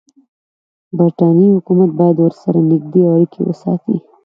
برټانیې حکومت باید ورسره نږدې اړیکې وساتي.